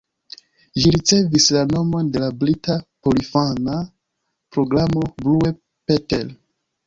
Ĝi ricevis la nomon de la brita porinfana programo Blue Peter.